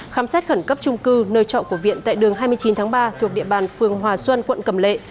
khám xét khẩn cấp trung cư nơi trọ của viện tại đường hai mươi chín tháng ba thuộc địa bàn phường hòa xuân quận cầm lệ